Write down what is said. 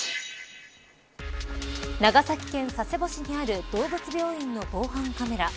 長崎県佐世保市にある動物病院の防犯カメラ